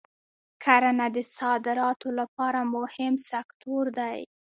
کرنه د صادراتو لپاره مهم سکتور دی.